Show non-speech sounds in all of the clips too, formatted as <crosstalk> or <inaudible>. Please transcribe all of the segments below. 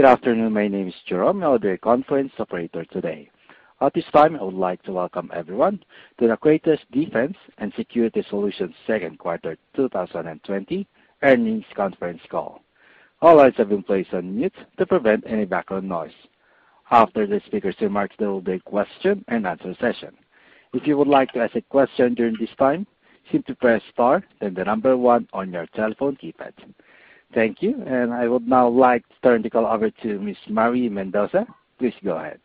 Good afternoon. My name is Jerome. I will be your conference operator today. At this time, I would like to welcome everyone to the Kratos Defense & Security Solutions second quarter 2020 earnings conference call. All lines have been placed on mute to prevent any background noise. After the speakers' remarks, there will be a question and answer session. If you would like to ask a question during this time, simply press star, then the number 1 on your telephone keypad. Thank you. I would now like to turn the call over to Ms. Marie Mendoza. Please go ahead.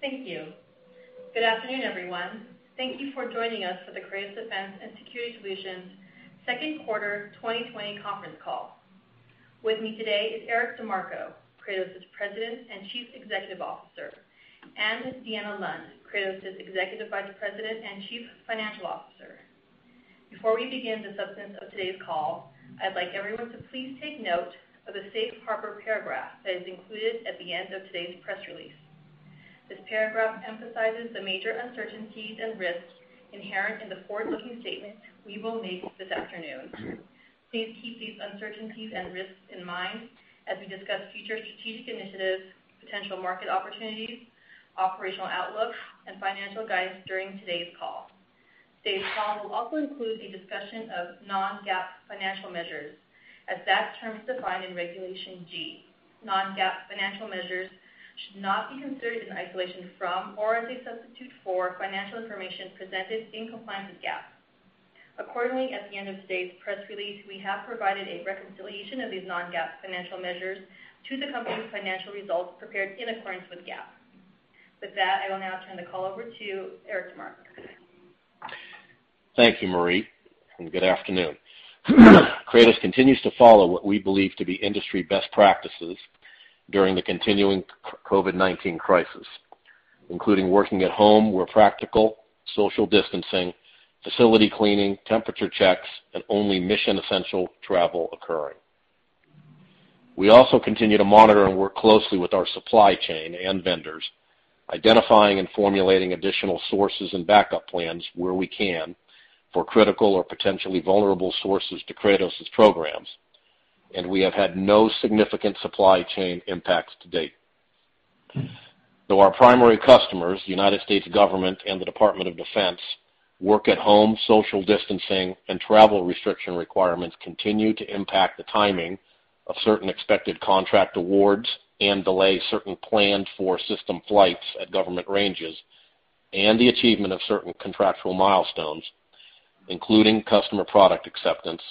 Thank you. Good afternoon, everyone. Thank you for joining us for the Kratos Defense & Security Solutions second quarter 2020 conference call. With me today is Eric DeMarco, Kratos' President and Chief Executive Officer, and Deanna Lund, Kratos' Executive Vice President and Chief Financial Officer. Before we begin the substance of today's call, I'd like everyone to please take note of the safe harbor paragraph that is included at the end of today's press release. This paragraph emphasizes the major uncertainties and risks inherent in the forward-looking statements we will make this afternoon. Please keep these uncertainties and risks in mind as we discuss future strategic initiatives, potential market opportunities, operational outlooks, and financial guidance during today's call. Today's call will also include a discussion of non-GAAP financial measures, as that term is defined in Regulation G. Non-GAAP financial measures should not be considered in isolation from or as a substitute for financial information presented in compliance with GAAP. Accordingly, at the end of today's press release, we have provided a reconciliation of these non-GAAP financial measures to the company's financial results prepared in accordance with GAAP. With that, I will now turn the call over to Eric DeMarco. Thank you, Marie, and good afternoon. Kratos continues to follow what we believe to be industry best practices during the continuing COVID-19 crisis, including working at home where practical, social distancing, facility cleaning, temperature checks, and only mission-essential travel occurring. We also continue to monitor and work closely with our supply chain and vendors, identifying and formulating additional sources and backup plans where we can for critical or potentially vulnerable sources to Kratos' programs. We have had no significant supply chain impacts to date. Though our primary customers, the United States government and the Department of Defense, work at home, social distancing, and travel restriction requirements continue to impact the timing of certain expected contract awards and delay certain planned-for system flights at government ranges and the achievement of certain contractual milestones, including customer product acceptance.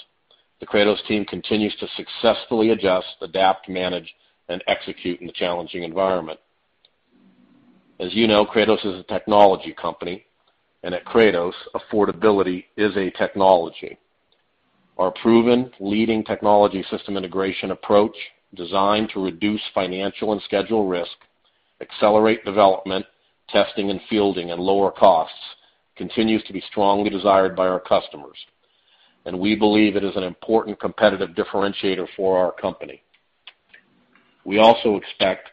The Kratos team continues to successfully adjust, adapt, manage, and execute in the challenging environment. As you know, Kratos is a technology company. At Kratos, affordability is a technology. Our proven leading technology system integration approach, designed to reduce financial and schedule risk, accelerate development, testing, and fielding, and lower costs, continues to be strongly desired by our customers. We believe it is an important competitive differentiator for our company. We also expect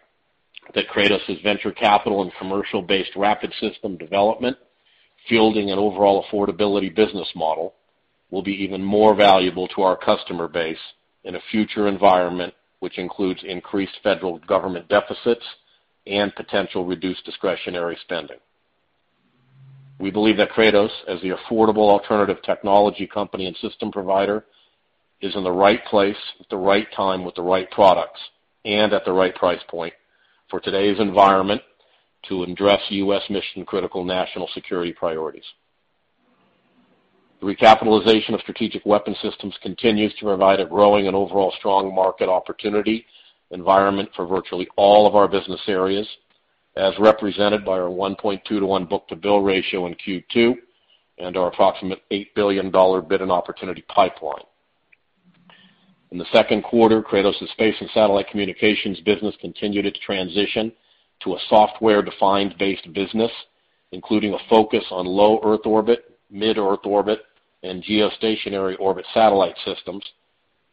that Kratos' venture capital and commercial-based rapid system development, fielding, and overall affordability business model will be even more valuable to our customer base in a future environment which includes increased federal government deficits and potential reduced discretionary spending. We believe that Kratos, as the affordable alternative technology company and system provider, is in the right place at the right time with the right products and at the right price point for today's environment to address U.S. mission-critical national security priorities. The recapitalization of strategic weapon systems continues to provide a growing and overall strong market opportunity environment for virtually all of our business areas, as represented by our 1.2:1 book-to-bill ratio in Q2 and our approximate $8 billion bid and opportunity pipeline. In the second quarter, Kratos' space and satellite communications business continued its transition to a software-defined based business, including a focus on low Earth orbit, mid-Earth orbit, and geostationary orbit satellite systems,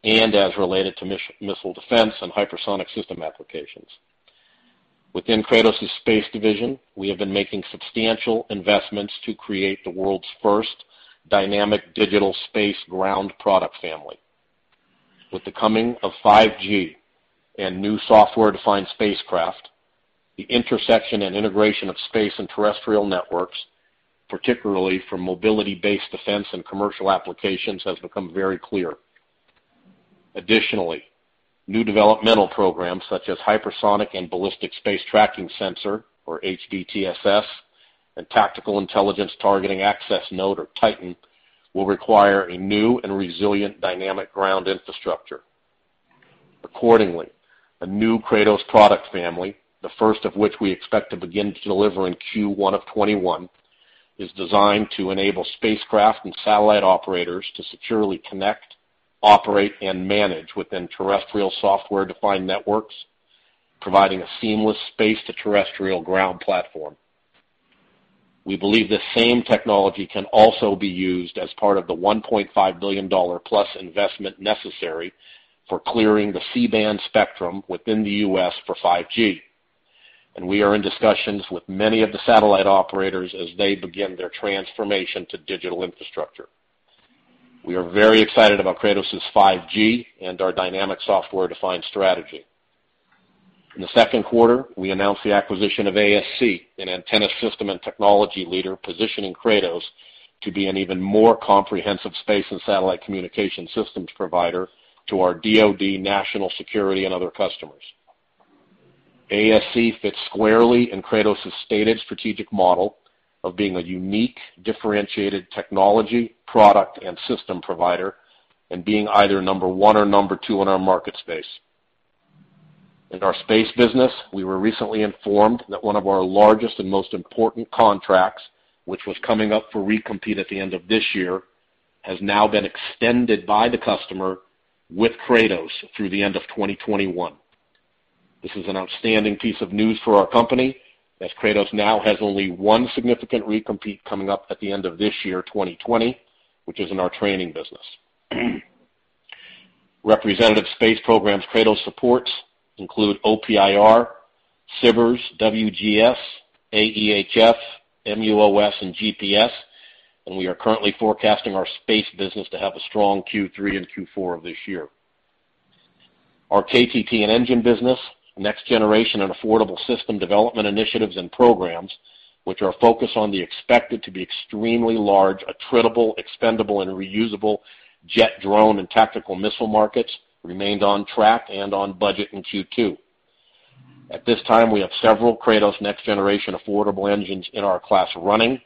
and as related to missile defense and hypersonic system applications. Within Kratos' space division, we have been making substantial investments to create the world's first dynamic digital space ground product family. With the coming of 5G and new software-defined spacecraft, the intersection and integration of space and terrestrial networks, particularly for mobility-based defense and commercial applications, has become very clear. Additionally, new developmental programs such as Hypersonic and Ballistic Tracking Space Sensor, or HBTSS, and Tactical Intelligence Targeting Access Node, or TITAN, will require a new and resilient dynamic ground infrastructure. Accordingly, a new Kratos product family, the first of which we expect to begin to deliver in Q1 of 2021, is designed to enable spacecraft and satellite operators to securely connect, operate, and manage within terrestrial software-defined networks, providing a seamless space-to-terrestrial ground platform. We believe this same technology can also be used as part of the $1.5 billion-plus investment necessary for clearing the C-band spectrum within the U.S. for 5G. We are in discussions with many of the satellite operators as they begin their transformation to digital infrastructure. We are very excited about Kratos' 5G and our dynamic software-defined strategy. In the second quarter, we announced the acquisition of ASC, an antenna system and technology leader, positioning Kratos to be an even more comprehensive space and satellite communication systems provider to our DoD, national security, and other customers. ASC fits squarely in Kratos' stated strategic model of being a unique, differentiated technology, product, and system provider, and being either number one or number two in our market space. In our space business, we were recently informed that one of our largest and most important contracts, which was coming up for recompete at the end of this year, has now been extended by the customer with Kratos through the end of 2021. This is an outstanding piece of news for our company, as Kratos now has only one significant recompete coming up at the end of this year, 2020, which is in our training business. Representative space programs Kratos supports include OPIR, SBIRS, WGS, AEHF, MUOS, and GPS, and we are currently forecasting our space business to have a strong Q3 and Q4 of this year. Our KTT and engine business, next generation and affordable system development initiatives and programs, which are focused on the expected to be extremely large, attritable, expendable, and reusable jet drone and tactical missile markets, remained on track and on budget in Q2. At this time, we have several Kratos next generation affordable engines in our class running,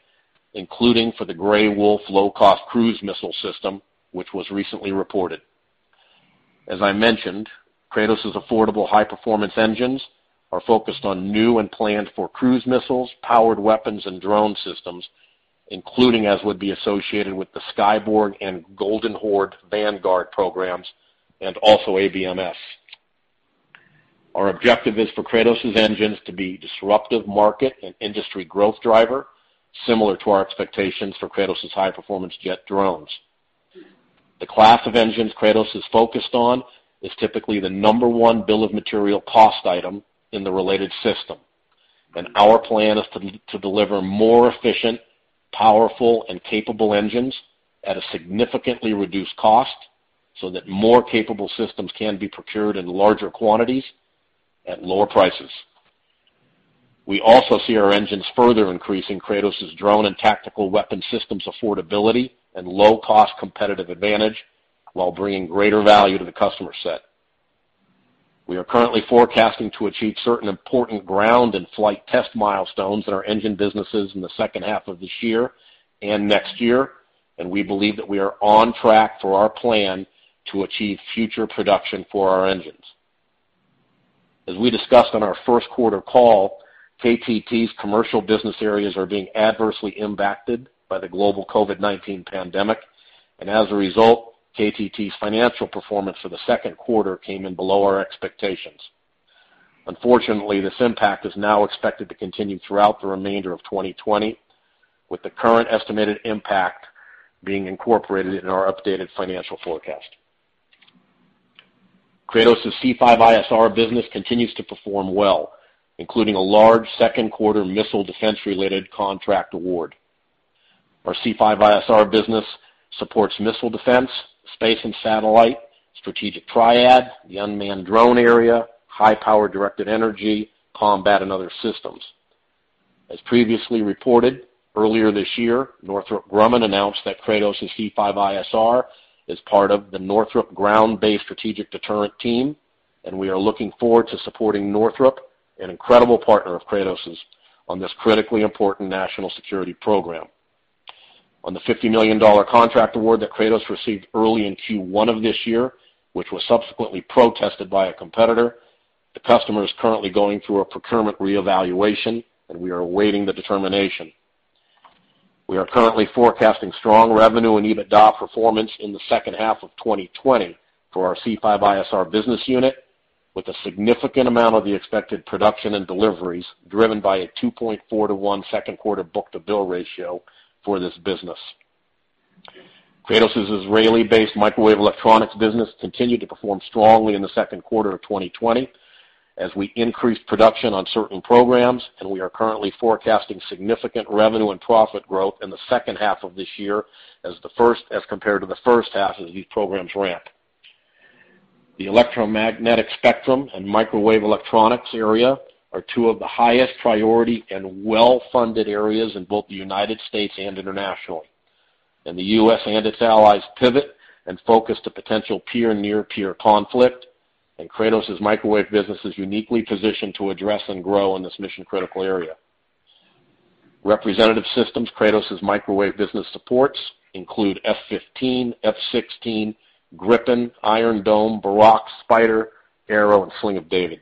including for the Gray Wolf low-cost cruise missile system, which was recently reported. As I mentioned, Kratos' affordable high-performance engines are focused on new and planned for cruise missiles, powered weapons, and drone systems, including as would be associated with the Skyborg and Golden Horde Vanguard programs, and also ABMS. Our objective is for Kratos' engines to be a disruptive market and industry growth driver, similar to our expectations for Kratos' high-performance jet drones. The class of engines Kratos is focused on is typically the number one bill of material cost item in the related system. Our plan is to deliver more efficient, powerful, and capable engines at a significantly reduced cost so that more capable systems can be procured in larger quantities at lower prices. We also see our engines further increasing Kratos' drone and tactical weapon systems' affordability and low-cost competitive advantage while bringing greater value to the customer set. We are currently forecasting to achieve certain important ground and flight test milestones in our engine businesses in the second half of this year and next year. We believe that we are on track for our plan to achieve future production for our engines. As we discussed on our first quarter call, KTT's commercial business areas are being adversely impacted by the global COVID-19 pandemic. As a result, KTT's financial performance for the second quarter came in below our expectations. Unfortunately, this impact is now expected to continue throughout the remainder of 2020, with the current estimated impact being incorporated in our updated financial forecast. Kratos' C5ISR business continues to perform well, including a large second quarter missile defense-related contract award. Our C5ISR business supports missile defense, space and satellite, strategic triad, the unmanned drone area, high-power directed energy, combat, and other systems. As previously reported, earlier this year, Northrop Grumman announced that Kratos' C5ISR is part of the Northrop Ground-Based Strategic Deterrent team, and we are looking forward to supporting Northrop, an incredible partner of Kratos', on this critically important national security program. On the $50 million contract award that Kratos received early in Q1 of this year, which was subsequently protested by a competitor, the customer is currently going through a procurement reevaluation, and we are awaiting the determination. We are currently forecasting strong revenue and EBITDA performance in the second half of 2020 for our C5ISR business unit with a significant amount of the expected production and deliveries driven by a 2.4:1 second quarter book-to-bill ratio for this business. Kratos' Israeli-based microwave electronics business continued to perform strongly in the second quarter of 2020 as we increased production on certain programs, and we are currently forecasting significant revenue and profit growth in the second half of this year as compared to the first half as these programs ramp. The electromagnetic spectrum and microwave electronics area are two of the highest priority and well-funded areas in both the United States and international. The U.S. and its allies pivot and focus to potential peer and near-peer conflict. Kratos' microwave business is uniquely positioned to address and grow in this mission-critical area. Representative systems Kratos' microwave business supports include F-15, F-16, Gripen, Iron Dome, Barak, SPYDER, Arrow, and David's Sling.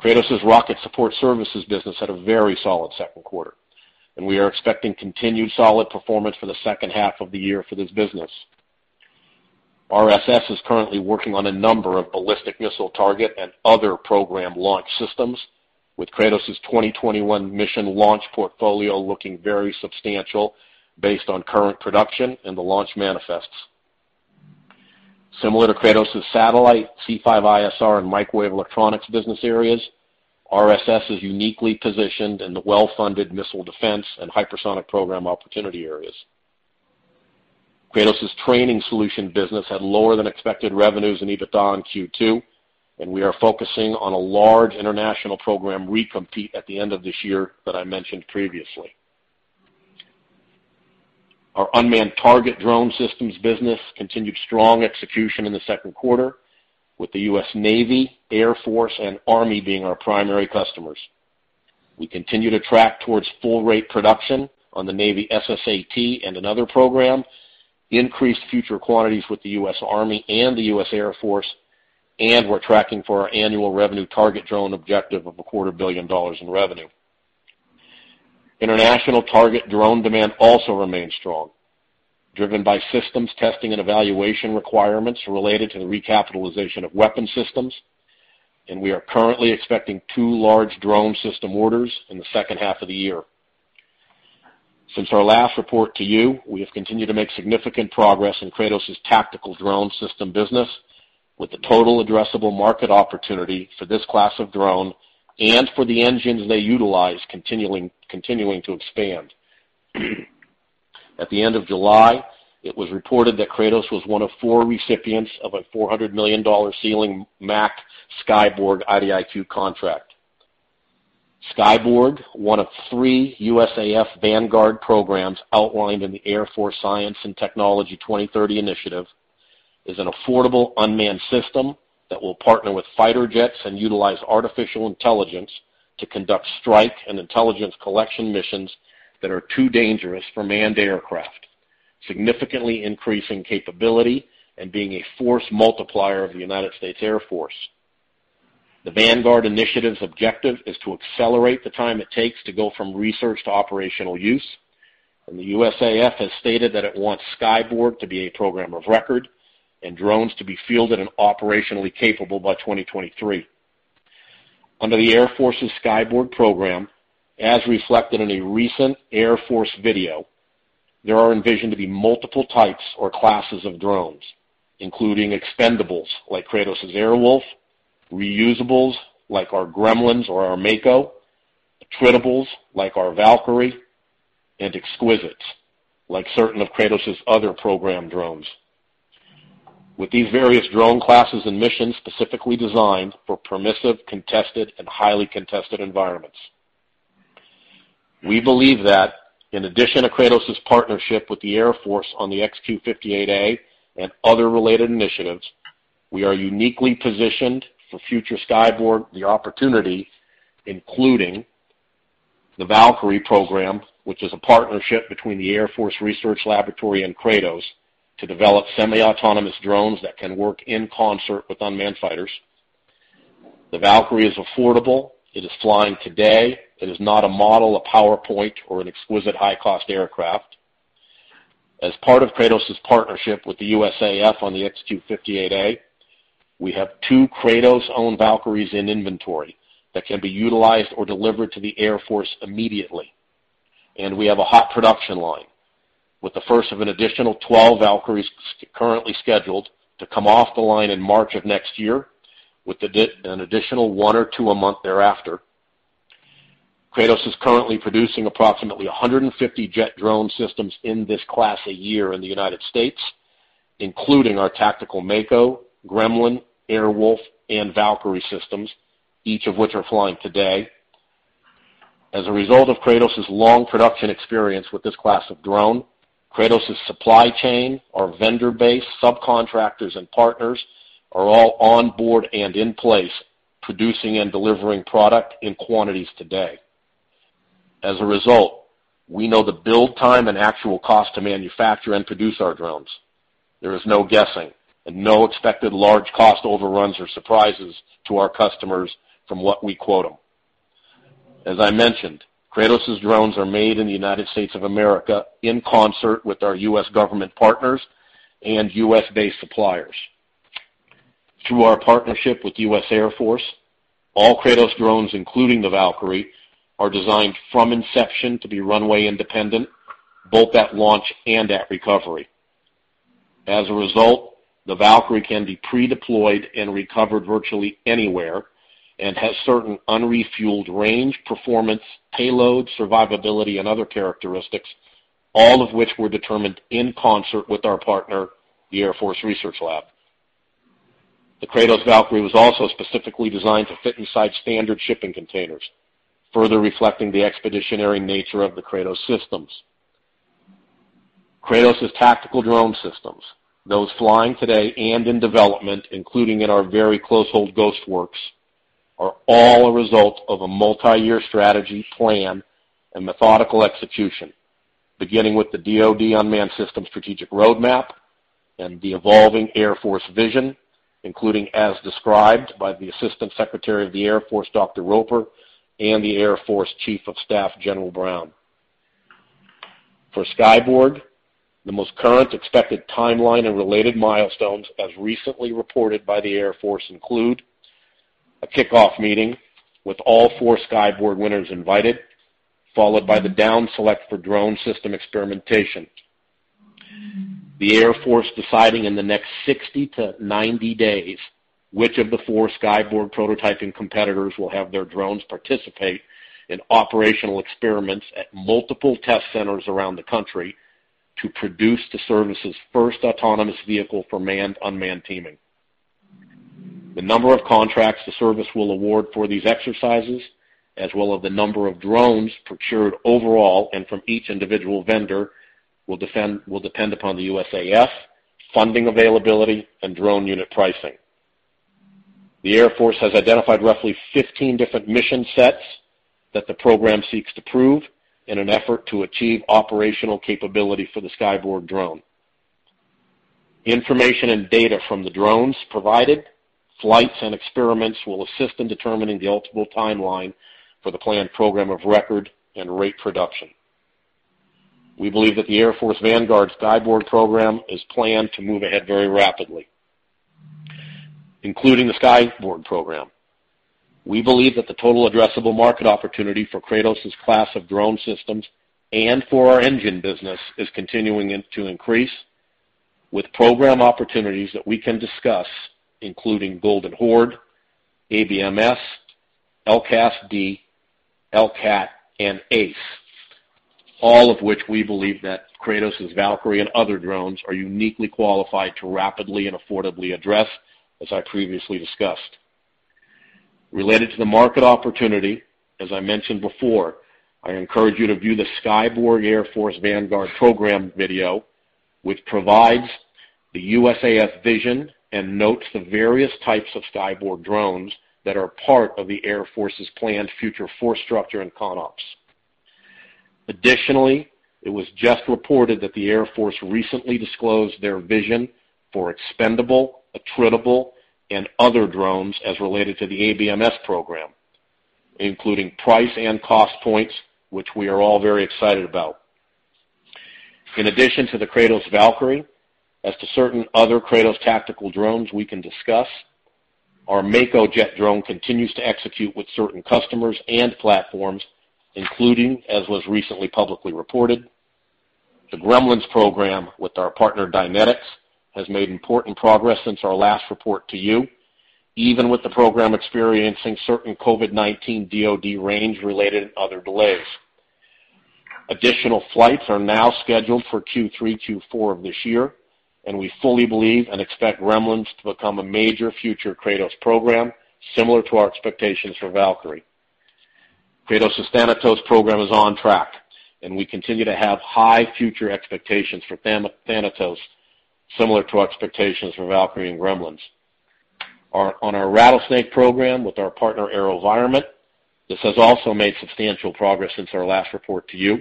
Kratos' Rocket Support Services business had a very solid second quarter, and we are expecting continued solid performance for the second half of the year for this business. RSS is currently working on a number of ballistic missile target and other program launch systems with Kratos' 2021 mission launch portfolio looking very substantial based on current production and the launch manifests. Similar to Kratos' satellite, C5ISR, and microwave electronics business areas, RSS is uniquely positioned in the well-funded missile defense and hypersonic program opportunity areas. Kratos' training solution business had lower than expected revenues and EBITDA in Q2, and we are focusing on a large international program recompete at the end of this year that I mentioned previously. Our unmanned target drone systems business continued strong execution in the second quarter with the U.S. Navy, Air Force, and Army being our primary customers. We continue to track towards full rate production on the Navy SSAT and another program, increased future quantities with the U.S. Army and the U.S. Air Force. We're tracking for our annual revenue target drone objective of a quarter billion dollars in revenue. International target drone demand also remains strong, driven by systems testing and evaluation requirements related to the recapitalization of weapon systems. We are currently expecting two large drone system orders in the second half of the year. Since our last report to you, we have continued to make significant progress in Kratos' tactical drone system business with the total addressable market opportunity for this class of drone and for the engines they utilize continuing to expand. At the end of July, it was reported that Kratos was one of four recipients of a $400 million ceiling MAC, Skyborg IDIQ contract. Skyborg, one of three USAF Vanguard programs outlined in the Air Force Science and Technology 2030 Initiative, is an affordable unmanned system that will partner with fighter jets and utilize artificial intelligence to conduct strike and intelligence collection missions that are too dangerous for manned aircraft, significantly increasing capability and being a force multiplier of the United States Air Force. The Vanguard initiative's objective is to accelerate the time it takes to go from research to operational use, and the USAF has stated that it wants Skyborg to be a program of record and drones to be fielded and operationally capable by 2023. Under the Air Force's Skyborg program, as reflected in a recent Air Force video, there are envisioned to be multiple types or classes of drones, including expendables like Kratos' Air Wolf, reusables like our Gremlins or our Mako, attritables like our Valkyrie, and exquisites like certain of Kratos' other programmed drones. With these various drone classes and missions specifically designed for permissive, contested, and highly contested environments. We believe that in addition to Kratos' partnership with the Air Force on the XQ-58A and other related initiatives, we are uniquely positioned for future Skyborg, the opportunity, including the Valkyrie program, which is a partnership between the Air Force Research Laboratory and Kratos to develop semi-autonomous drones that can work in concert with unmanned fighters. The Valkyrie is affordable. It is flying today. It is not a model, a PowerPoint, or an exquisite high-cost aircraft. As part of Kratos' partnership with the USAF on the XQ-58A, we have two Kratos-owned Valkyries in inventory that can be utilized or delivered to the Air Force immediately, and we have a hot production line with the first of an additional 12 Valkyries currently scheduled to come off the line in March of next year with an additional one or two a month thereafter. Kratos is currently producing approximately 150 jet drone systems in this class a year in the United States, including our tactical Mako, Gremlin, Air Wolf, and Valkyrie systems, each of which are flying today. As a result of Kratos' long production experience with this class of drone, Kratos' supply chain, our vendor base, subcontractors, and partners are all on board and in place, producing and delivering product in quantities today. As a result, we know the build time and actual cost to manufacture and produce our drones. There is no guessing and no expected large cost overruns or surprises to our customers from what we quote them. As I mentioned, Kratos' drones are made in the United States of America in concert with our U.S. government partners and U.S.-based suppliers. Through our partnership with U.S. Air Force, all Kratos drones, including the Valkyrie, are designed from inception to be runway independent, both at launch and at recovery. As a result, the Valkyrie can be pre-deployed and recovered virtually anywhere and has certain unrefueled range, performance, payload, survivability, and other characteristics, all of which were determined in concert with our partner, the Air Force Research Laboratory. The Kratos Valkyrie was also specifically designed to fit inside standard shipping containers, further reflecting the expeditionary nature of the Kratos systems. Kratos' tactical drone systems, those flying today and in development, including in our very close-hold Ghost Works, are all a result of a multi-year strategy plan and methodical execution, beginning with the DoD unmanned system strategic roadmap and the evolving Air Force vision, including as described by the Assistant Secretary of the Air Force, Dr. Roper, and the Air Force Chief of Staff, General Brown. For Skyborg, the most current expected timeline and related milestones, as recently reported by the Air Force, include a kickoff meeting with all four Skyborg winners invited, followed by the down select for drone system experimentation. The Air Force deciding in the next 60-90 days which of the four Skyborg prototyping competitors will have their drones participate in operational experiments at multiple test centers around the country to produce the service's first autonomous vehicle for manned-unmanned teaming. The number of contracts the service will award for these exercises, as well as the number of drones procured overall and from each individual vendor, will depend upon the USAF, funding availability, and drone unit pricing. The Air Force has identified roughly 15 different mission sets that the program seeks to prove in an effort to achieve operational capability for the Skyborg drone. Information and data from the drones provided, flights, and experiments will assist in determining the ultimate timeline for the planned program of record and rate production. We believe that the Air Force Vanguard Skyborg program is planned to move ahead very rapidly. Including the Skyborg program, we believe that the total addressable market opportunity for Kratos' class of drone systems and for our engine business is continuing to increase, with program opportunities that we can discuss, including Golden Horde, ABMS, LCASD, LCAAT, and ACE. All of which we believe that Kratos' Valkyrie and other drones are uniquely qualified to rapidly and affordably address, as I previously discussed. Related to the market opportunity, as I mentioned before, I encourage you to view the Skyborg Air Force Vanguard program video, which provides the USAF vision and notes the various types of Skyborg drones that are part of the Air Force's planned future force structure and CONOPs. Additionally, it was just reported that the Air Force recently disclosed their vision for expendable, attritable, and other drones as related to the ABMS program, including price and cost points, which we are all very excited about. In addition to the Kratos Valkyrie, as to certain other Kratos tactical drones we can discuss, our Mako jet drone continues to execute with certain customers and platforms, including, as was recently publicly reported, the Gremlins program with our partner Dynetics has made important progress since our last report to you, even with the program experiencing certain COVID-19 DoD range-related and other delays. Additional flights are now scheduled for Q3, Q4 of this year. We fully believe and expect Gremlins to become a major future Kratos program, similar to our expectations for Valkyrie. Kratos' Thanatos program is on track. We continue to have high future expectations for Thanatos, similar to our expectations for Valkyrie and Gremlins. On our Rattlesnake program with our partner AeroVironment, this has also made substantial progress since our last report to you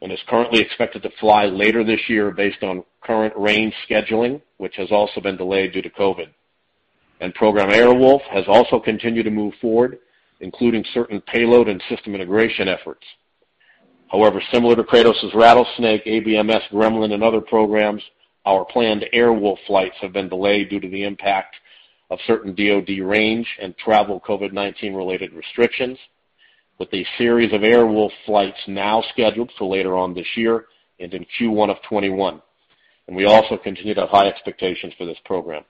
and is currently expected to fly later this year based on current range scheduling, which has also been delayed due to COVID-19. Program Air Wolf has also continued to move forward, including certain payload and system integration efforts. However, similar to Kratos' Rattlesnake, ABMS, Gremlin, and other programs, our planned Air Wolf flights have been delayed due to the impact of certain DoD range and travel COVID-19 related restrictions, with a series of Air Wolf flights now scheduled for later on this year and in Q1 of 2021. We also continue to have high expectations for this program.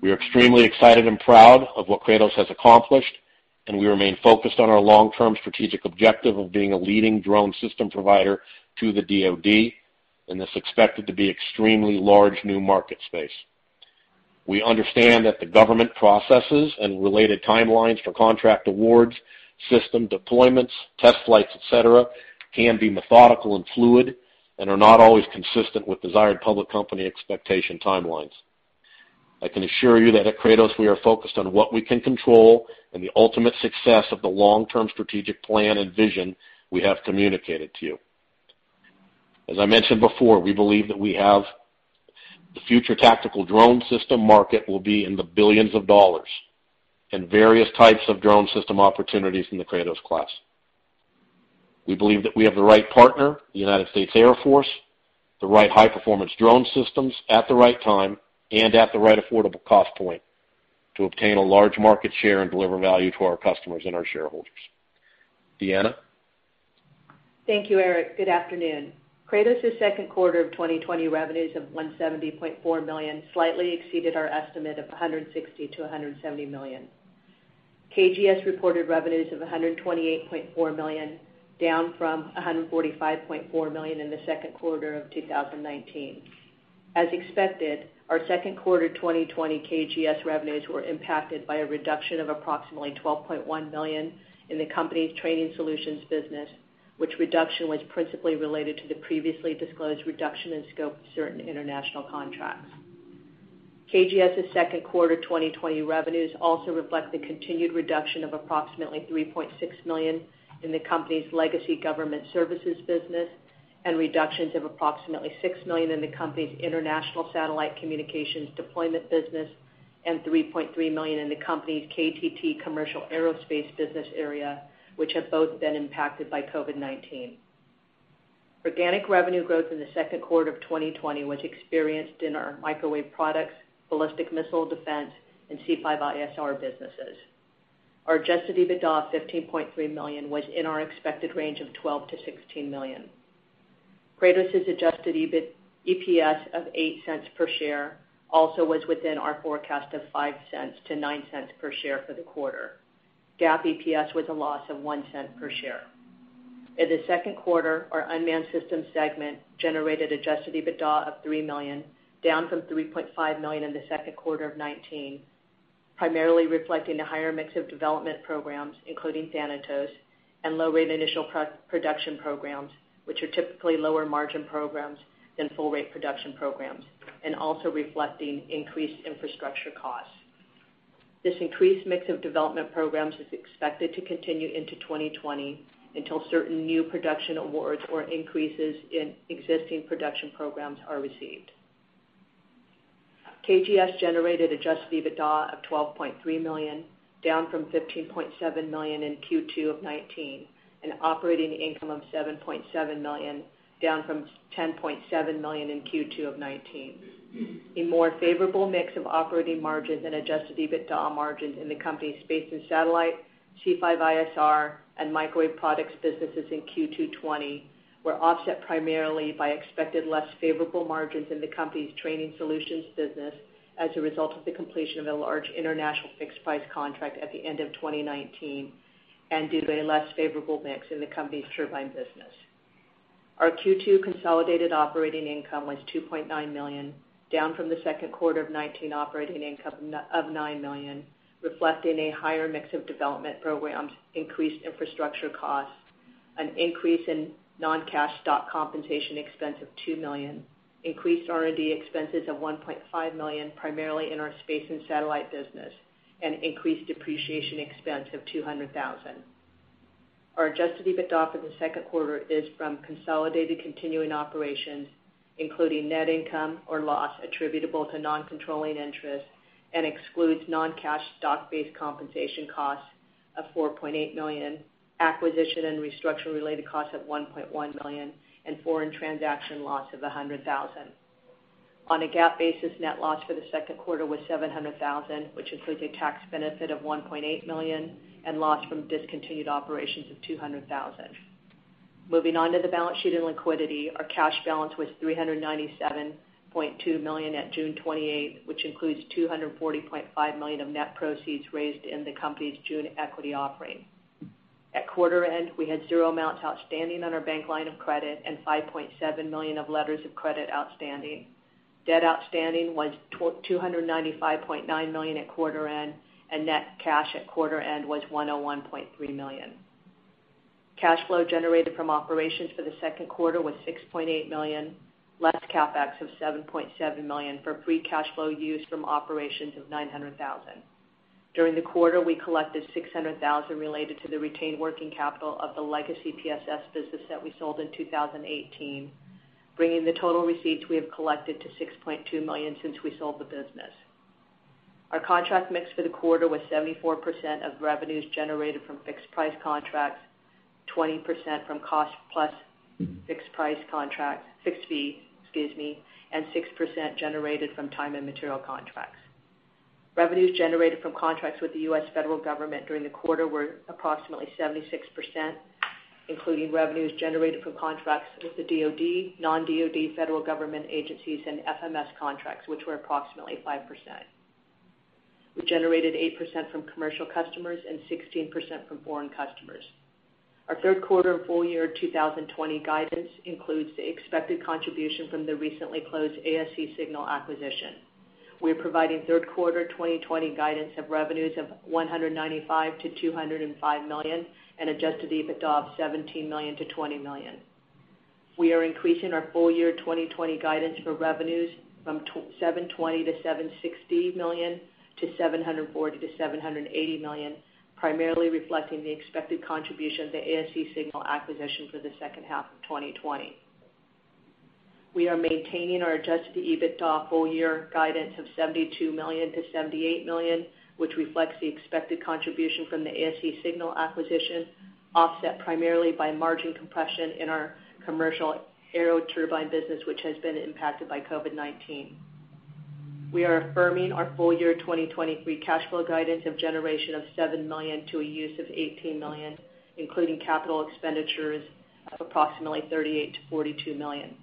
We are extremely excited and proud of what Kratos has accomplished. We remain focused on our long-term strategic objective of being a leading drone system provider to the DoD in this expected to be extremely large new market space. We understand that the government processes and related timelines for contract awards, system deployments, test flights, et cetera, can be methodical and fluid and are not always consistent with desired public company expectation timelines. I can assure you that at Kratos, we are focused on what we can control and the ultimate success of the long-term strategic plan and vision we have communicated to you. As I mentioned before, we believe that we have the future tactical drone system market will be in the billions of dollars and various types of drone system opportunities in the Kratos class. We believe that we have the right partner, the United States Air Force, the right high-performance drone systems at the right time and at the right affordable cost point to obtain a large market share and deliver value to our customers and our shareholders. Deanna? Thank you, Eric. Good afternoon. Kratos' second quarter of 2020 revenues of $170.4 million slightly exceeded our estimate of $160 million-$170 million. KGS reported revenues of $128.4 million, down from $145.4 million in the second quarter of 2019. As expected, our second quarter 2020 KGS revenues were impacted by a reduction of approximately $12.1 million in the company's training solutions business, which reduction was principally related to the previously disclosed reduction in scope of certain international contracts. KGS' second quarter 2020 revenues also reflect the continued reduction of approximately $3.6 million in the company's legacy government services business and reductions of approximately $6 million in the company's international satellite communications deployment business and $3.3 million in the company's KTT commercial aerospace business area, which have both been impacted by COVID-19. Organic revenue growth in the second quarter of 2020 was experienced in our microwave products, ballistic missile defense, and C5ISR businesses. Our adjusted EBITDA of $15.3 million was in our expected range of $12 million-$16 million. Kratos' adjusted EPS of $0.08 per share also was within our forecast of $0.05-$0.09 per share for the quarter. GAAP EPS was a loss of $0.01 per share. In the second quarter, our Unmanned Systems segment generated adjusted EBITDA of $3 million, down from $3.5 million in the second quarter of 2019, primarily reflecting a higher mix of development programs, including Thanatos, and low-rate initial production programs, which are typically lower-margin programs than full-rate production programs, and also reflecting increased infrastructure costs. This increased mix of development programs is expected to continue into 2020 until certain new production awards or increases in existing production programs are received. KGS generated adjusted EBITDA of $12.3 million, down from $15.7 million in Q2 of 2019, and operating income of $7.7 million, down from $10.7 million in Q2 of 2019. A more favorable mix of operating margins and adjusted EBITDA margins in the company's space and satellite, C5ISR, and microwave products businesses in Q2 2020 were offset primarily by expected less favorable margins in the company's training solutions business as a result of the completion of a large international fixed-price contract at the end of 2019 and due to a less favorable mix in the company's turbine business. Our Q2 consolidated operating income was $2.9 million, down from the second quarter of 2019 operating income of $9 million, reflecting a higher mix of development programs, increased infrastructure costs, an increase in non-cash stock compensation expense of $2 million, increased R&D expenses of $1.5 million, primarily in our space and satellite business, and increased depreciation expense of $200,000. Our adjusted EBITDA for the second quarter is from consolidated continuing operations, including net income or loss attributable to non-controlling interest and excludes non-cash stock-based compensation costs of $4.8 million, acquisition and restructure-related costs of $1.1 million, and foreign transaction loss of $100,000. On a GAAP basis, net loss for the second quarter was $700,000, which includes a tax benefit of $1.8 million and loss from discontinued operations of $200,000. Moving on to the balance sheet and liquidity. Our cash balance was $397.2 million at June 28th, which includes $240.5 million of net proceeds raised in the company's June equity offering. At quarter-end, we had zero amounts outstanding on our bank line of credit and $5.7 million of letters of credit outstanding. Debt outstanding was $295.9 million at quarter-end. Net cash at quarter-end was $101.3 million. Cash flow generated from operations for the second quarter was $6.8 million, less CapEx of $7.7 million for free cash flow used from operations of $900,000. During the quarter, we collected $600,000 related to the retained working capital of the legacy PSS business that we sold in 2018, bringing the total receipts we have collected to $6.2 million since we sold the business. Our contract mix for the quarter was 74% of revenues generated from fixed-price contracts, 20% from cost plus fixed-price contracts, fixed fee, excuse me, and 6% generated from time and material contracts. Revenues generated from contracts with the U.S. federal government during the quarter were approximately 76%, including revenues generated from contracts with the DoD, non-DoD federal government agencies, and FMS contracts, which were approximately 5%. We generated 8% from commercial customers and 16% from foreign customers. Our third quarter and full-year 2020 guidance includes the expected contribution from the recently closed ASC Signal acquisition. We're providing third quarter 2020 guidance of revenues of $195 million-$205 million and adjusted EBITDA of $17 million-$20 million. We are increasing our full-year 2020 guidance for revenues from $720 million-$760 million to $740 million-$780 million, primarily reflecting the expected contribution of the ASC Signal acquisition for the second half of 2020. We are maintaining our adjusted EBITDA full-year guidance of $72 million-$78 million, which reflects the expected contribution from the ASC Signal acquisition, offset primarily by margin compression in our commercial aero turbine business, which has been impacted by COVID-19. We are affirming our full-year 2020 free cash flow guidance of generation of $7 million to a use of $18 million, including capital expenditures of approximately $38 million-$42 million.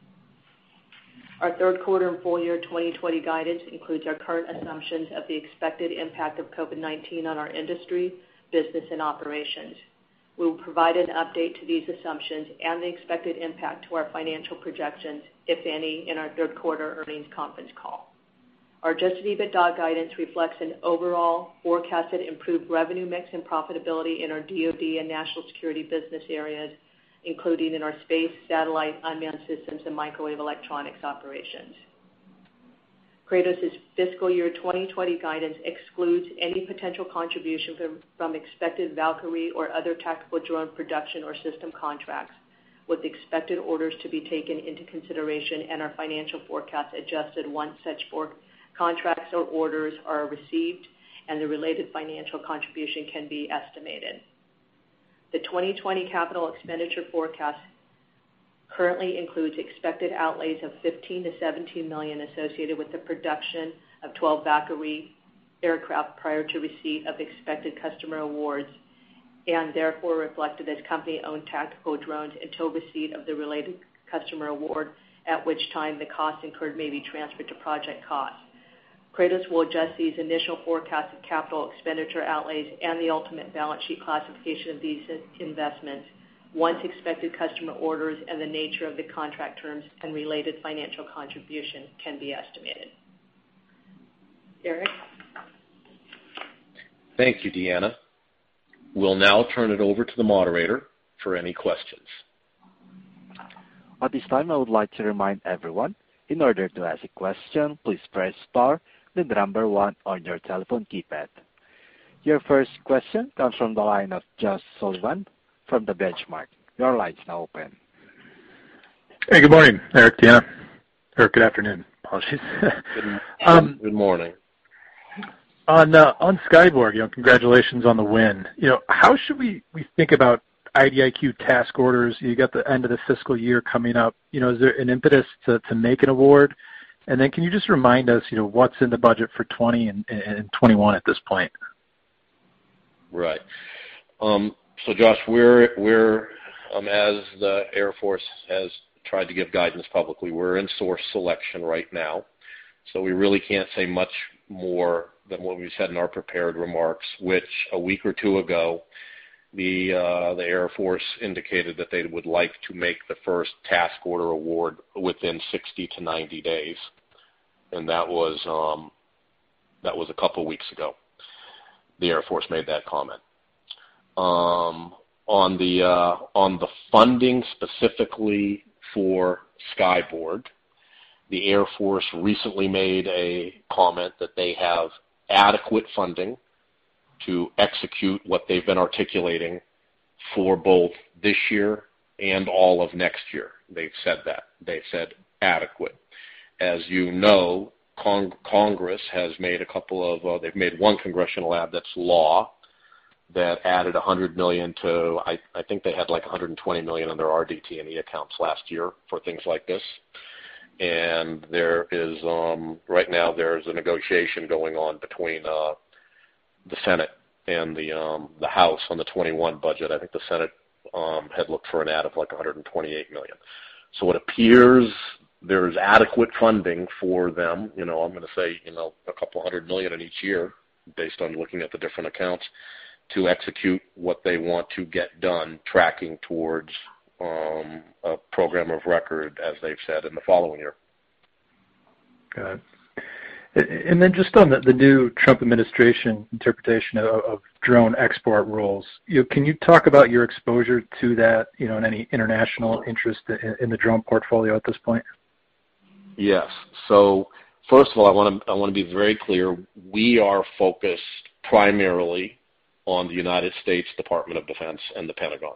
Our third quarter and full-year 2020 guidance includes our current assumptions of the expected impact of COVID-19 on our industry, business, and operations. We will provide an update to these assumptions and the expected impact to our financial projections, if any, in our third quarter earnings conference call. Our adjusted EBITDA guidance reflects an overall forecasted improved revenue mix and profitability in our DoD and national security business areas, including in our space, satellite, unmanned systems, and microwave electronics operations. Kratos' fiscal year 2020 guidance excludes any potential contribution from expected Valkyrie or other tactical drone production or system contracts, with expected orders to be taken into consideration and our financial forecast adjusted once such contracts or orders are received and the related financial contribution can be estimated. The 2020 capital expenditure forecast currently includes expected outlays of $15 million-$17 million associated with the production of 12 Valkyrie aircraft prior to receipt of expected customer awards, and therefore reflected as company-owned tactical drones until receipt of the related customer award, at which time the cost incurred may be transferred to project costs. Kratos will adjust these initial forecasts of capital expenditure outlays and the ultimate balance sheet classification of these investments once expected customer orders and the nature of the contract terms and related financial contribution can be estimated. Eric? Thank you, Deanna. We will now turn it over to the moderator for any questions. At this time, I would like to remind everyone, in order to ask a question, please press star, then the number one on your telephone keypad. Your first question comes from the line of Josh Sullivan from The Benchmark. Your line's now open. Hey, good morning, Eric, Deanna. Good afternoon. Apologies. Good morning. On Skyborg, congratulations on the win. How should we think about IDIQ task orders? You got the end of the fiscal year coming up. Is there an impetus to make an award? Can you just remind us what's in the budget for 2020 and 2021 at this point? Right. Josh, as the Air Force has tried to give guidance publicly, we're in source selection right now. We really can't say much more than what we've said in our prepared remarks, which a week or two ago, the Air Force indicated that they would like to make the first task order award within 60-90 days. That was a couple of weeks ago, the Air Force made that comment. On the funding specifically for Skyborg, the Air Force recently made a comment that they have adequate funding to execute what they've been articulating for both this year and all of next year. They've said that. They said adequate. As you know, Congress has made one congressional act that's law that added $100 million to, I think they had $120 million in their RDT&E accounts last year for things like this. Right now there's a negotiation going on between the Senate and the House on the 2021 budget. I think the Senate had looked for an add of $128 million. It appears there's adequate funding for them, I'm going to say, a couple of hundred million in each year based on looking at the different accounts to execute what they want to get done tracking towards a program of record, as they've said in the following year. Got it. Just on the new Trump administration interpretation of drone export rules, can you talk about your exposure to that, and any international interest in the drone portfolio at this point? Yes. First of all, I want to be very clear. We are focused primarily on the United States Department of Defense and the Pentagon.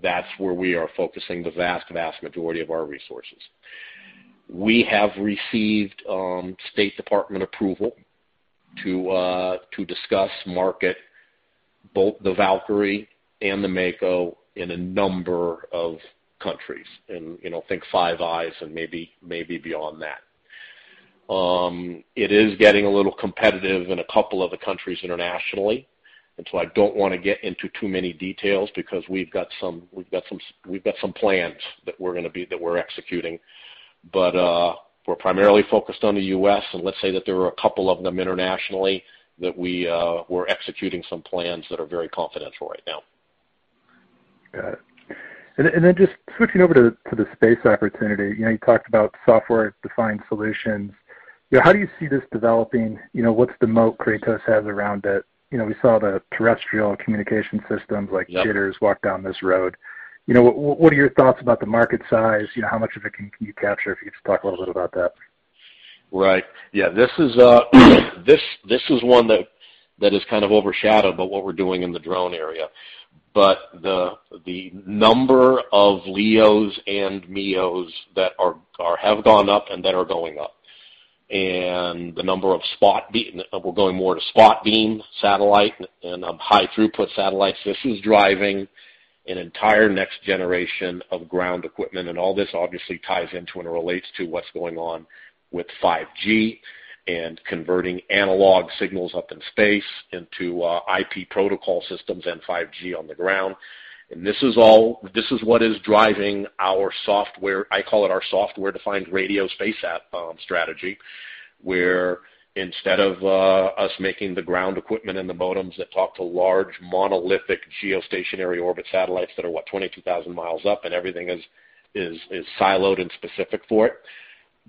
That's where we are focusing the vast majority of our resources. We have received State Department approval to discuss market both the Valkyrie and the Mako in a number of countries, and think Five Eyes and maybe beyond that. It is getting a little competitive in a couple of the countries internationally. I don't want to get into too many details because we've got some plans that we're executing. We're primarily focused on the U.S., and let's say that there are a couple of them internationally that we're executing some plans that are very confidential right now. Got it. Just switching over to the space opportunity. You talked about software-defined solutions. How do you see this developing? What's the moat Kratos has around it? We saw the terrestrial communication systems like. Yep. <inaudible> walk down this road. What are your thoughts about the market size? How much of it can you capture? If you could just talk a little bit about that. Right. Yeah. This is one that is kind of overshadowed by what we're doing in the drone area. The number of LEO and MEOs that have gone up and that are going up, and the number of spot beam, we're going more to spot beam satellite and high throughput satellites. This is driving an entire next generation of ground equipment, and all this obviously ties into and relates to what's going on with 5G and converting analog signals up in space into Internet Protocol systems and 5G on the ground. This is what is driving our software, I call it our software-defined radio space app strategy, where instead of us making the ground equipment and the modems that talk to large, monolithic geostationary orbit satellites that are, what, 22,000 miles up and everything is siloed and specific for it.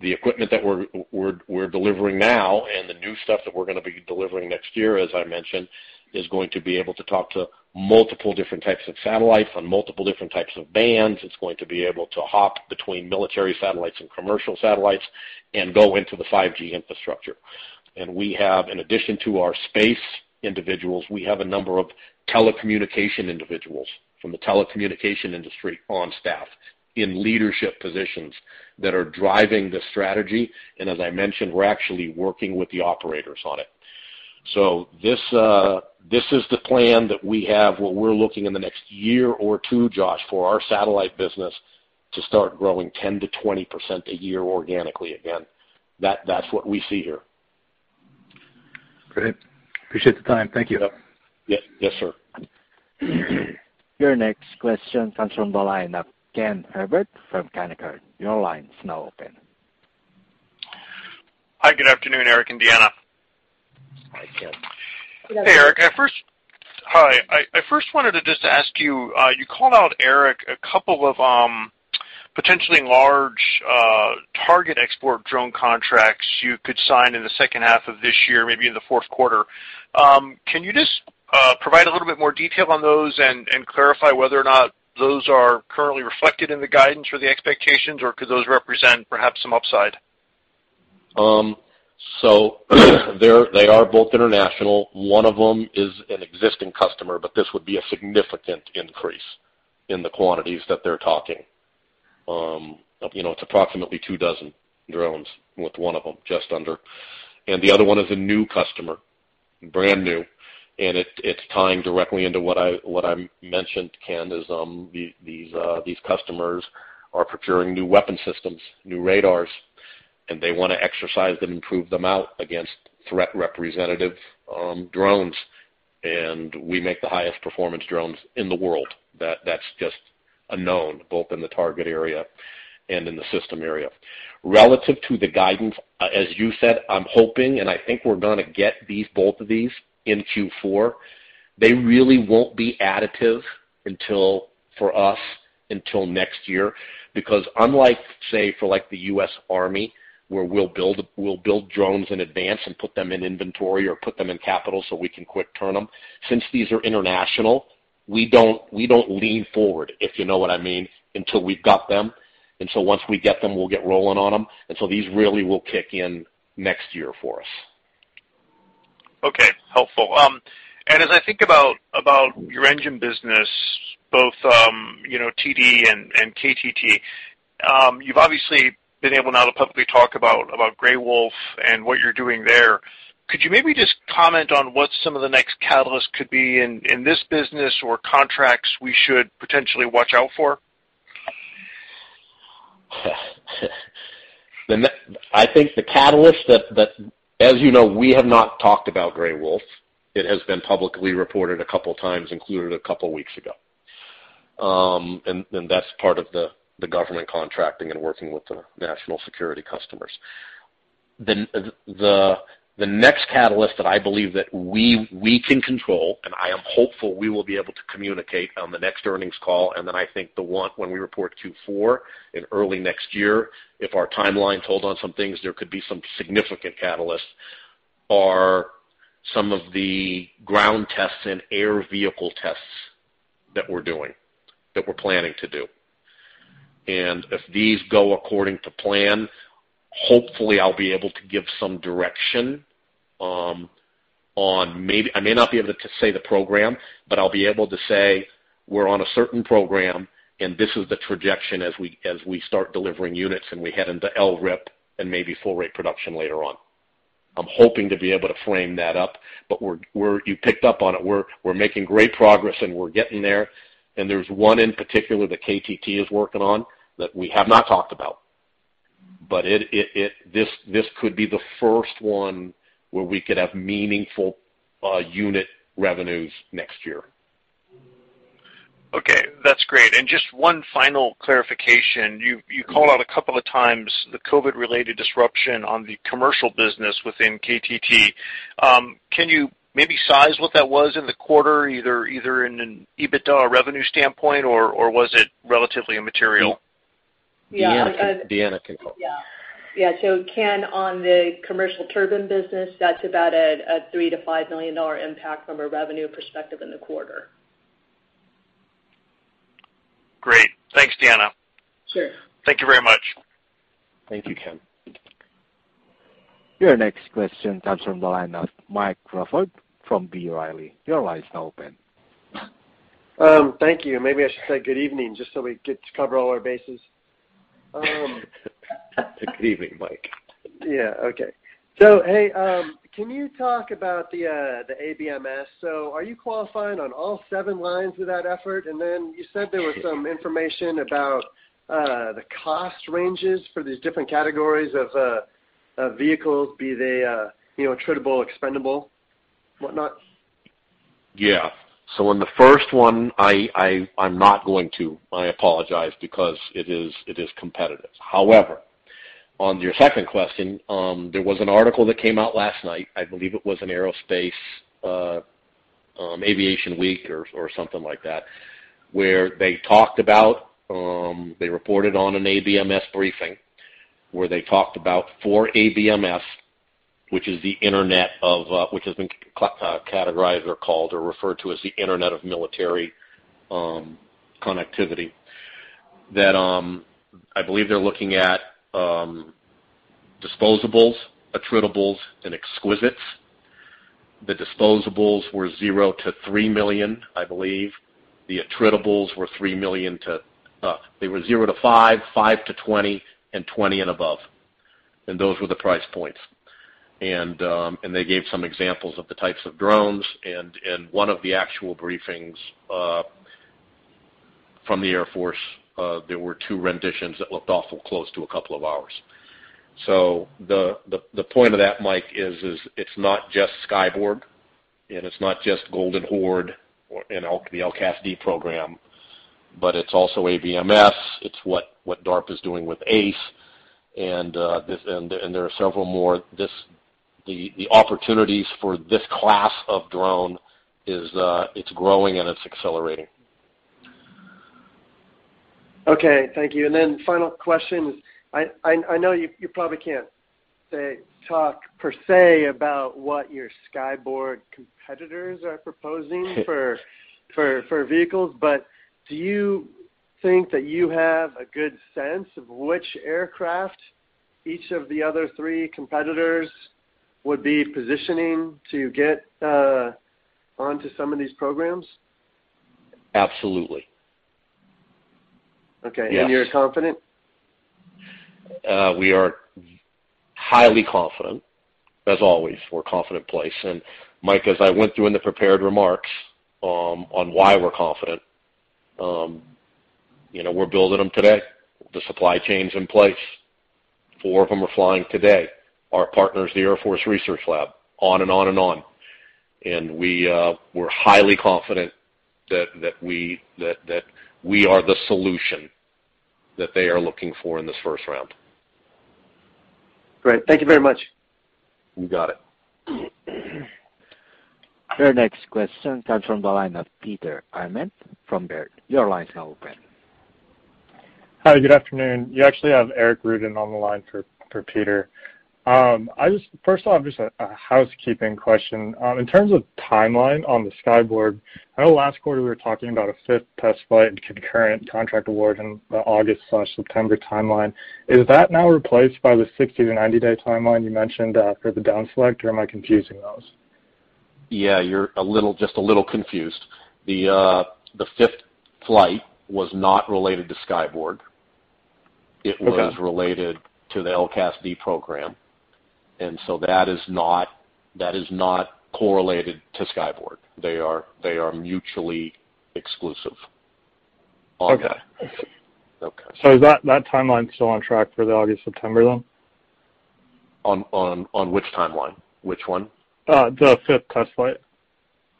The equipment that we're delivering now and the new stuff that we're going to be delivering next year, as I mentioned, is going to be able to talk to multiple different types of satellites on multiple different types of bands. It's going to be able to hop between military satellites and commercial satellites and go into the 5G infrastructure. We have, in addition to our space individuals, we have a number of telecommunication individuals from the telecommunication industry on staff in leadership positions that are driving the strategy. As I mentioned, we're actually working with the operators on it. This is the plan that we have, what we're looking in the next year or two, Josh, for our satellite business to start growing 10%-20% a year organically again. That's what we see here. Great. Appreciate the time. Thank you. Yep. Yes, sir. Your next question comes from the line of Ken Herbert from Canaccord. Your line is now open. Hi, good afternoon, Eric and Deanna. Hi, Ken. Hello. Hey, Eric. Hi. I first wanted to just ask you called out, Eric, a couple of potentially large target export drone contracts you could sign in the second half of this year, maybe in the fourth quarter. Can you just provide a little bit more detail on those and clarify whether or not those are currently reflected in the guidance or the expectations, or could those represent perhaps some upside? They are both international. One of them is an existing customer, but this would be a significant increase in the quantities that they're talking. It's approximately two dozen drones, with one of them just under. The other one is a new customer, brand new. It's tying directly into what I mentioned, Ken, is these customers are procuring new weapon systems, new radars, and they want to exercise them and prove them out against threat representative drones. We make the highest performance drones in the world. That's just a known, both in the target area and in the system area. Relative to the guidance, as you said, I'm hoping, and I think we're going to get both of these in Q4. They really won't be additive for us until next year, because unlike, say, for the U.S. Army, where we'll build drones in advance and put them in inventory or put them in capital so we can quick turn them. Since these are international, we don't lean forward, if you know what I mean, until we've got them. Once we get them, we'll get rolling on them. These really will kick in next year for us. Okay. Helpful. As I think about your engine business, both TD and KTT, you've obviously been able now to publicly talk about Gray Wolf and what you're doing there. Could you maybe just comment on what some of the next catalysts could be in this business or contracts we should potentially watch out for? I think the catalyst that, as you know, we have not talked about Gray Wolf. It has been publicly reported a couple of times, including a couple of weeks ago. That's part of the government contracting and working with the national security customers. The next catalyst that I believe that we can control, and I am hopeful we will be able to communicate on the next earnings call, and then I think when we report Q4 in early next year, if our timelines hold on some things, there could be some significant catalysts, are some of the ground tests and air vehicle tests that we're doing, that we're planning to do. If these go according to plan, hopefully I'll be able to give some direction on I may not be able to say the program, but I'll be able to say we're on a certain program, and this is the trajectory as we start delivering units and we head into LRIP and maybe full rate production later on. I'm hoping to be able to frame that up. You picked up on it. We're making great progress and we're getting there's one in particular that KTT is working on that we have not talked about. This could be the first one where we could have meaningful unit revenues next year. Okay, that's great. Just one final clarification. You called out a couple of times the COVID-related disruption on the commercial business within KTT. Can you maybe size what that was in the quarter, either in an EBITDA revenue standpoint, or was it relatively immaterial? Deanna can call. Yeah. Ken, on the commercial turbine business, that's about a $3 million-$5 million impact from a revenue perspective in the quarter. Great. Thanks, Deanna. Sure. Thank you very much. Thank you, Ken. Your next question comes from the line of Mike Crawford from B. Riley. Your line is now open. Thank you. Maybe I should say good evening, just so we get to cover all our bases. Good evening, Mike. Yeah. Okay. Hey, can you talk about the ABMS? Are you qualifying on all seven lines of that effort? You said there was some information about the cost ranges for these different categories of vehicles, be they attritable, expendable, whatnot. On the first one, I'm not going to, I apologize, because it is competitive. However, on your second question, there was an article that came out last night, I believe it was an aerospace, Aviation Week or something like that, where they talked about, they reported on an ABMS briefing, where they talked about for ABMS, which has been categorized or called or referred to as the Internet of Military Things, that I believe they're looking at disposables, attritables, and exquisites. The disposables were $0-$3 million, I believe. They were $0-$5 million, $5 million-$20 million, and $20 million and above. Those were the price points. They gave some examples of the types of drones, and one of the actual briefings from the Air Force, there were two renditions that looked awful close to a couple of ours. The point of that, Mike, is it's not just Skyborg, and it's not just Golden Horde or the LCASD program, but it's also ABMS. It's what DARPA's doing with ACE and there are several more. The opportunities for this class of drone, it's growing and it's accelerating. Okay. Thank you. Final question is, I know you probably can't talk per se about what your Skyborg competitors are proposing for vehicles, but do you think that you have a good sense of which aircraft each of the other three competitors would be positioning to get onto some of these programs? Absolutely. Okay. Yes. You're confident? We are highly confident. As always, we're a confident place. Mike, as I went through in the prepared remarks, on why we're confident, we're building them today. The supply chain's in place. four of them are flying today. Our partners, the Air Force Research Lab, on and on and on. We're highly confident that we are the solution that they are looking for in this first round. Great. Thank you very much. You got it. Your next question comes from the line of Peter Arment from Baird. Your line's now open. Hi, good afternoon. You actually have Eric Ruden on the line for Peter. First off, just a housekeeping question. In terms of timeline on the Skyborg, I know last quarter we were talking about a fifth test flight concurrent contract award in the August/September timeline. Is that now replaced by the 60-90-day timeline you mentioned after the down select, or am I confusing those? Yeah, you're just a little confused. The fifth flight was not related to Skyborg. Okay. It was related to the LCASD program, and so that is not correlated to Skyborg. They are mutually exclusive. Okay. I see. Okay. Is that timeline still on track for the August, September, then? On which timeline? Which one? The fifth test flight.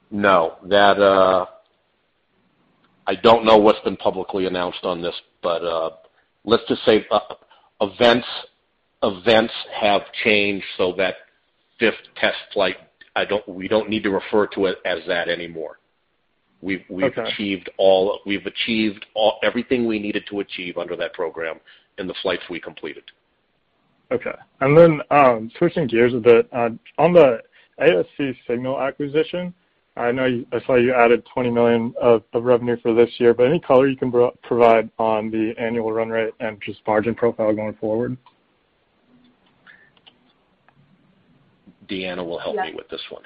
No. I don't know what's been publicly announced on this, but let's just say events have changed so that fifth test flight, we don't need to refer to it as that anymore. Okay. We've achieved everything we needed to achieve under that program in the flights we completed. Okay. Switching gears a bit, on the ASC Signal acquisition, I saw you added $20 million of revenue for this year, but any color you can provide on the annual run rate and just margin profile going forward? Deanna will help me with this one.